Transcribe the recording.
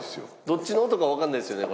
どっちの音かわかんないですよね